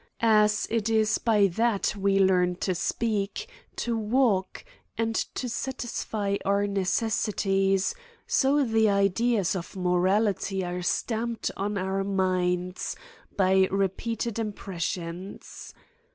As it is by that we learn to speak, to walk, and to satisfy our necessities, so the ideas of morality are stamped on our minds by repeat ed impressions.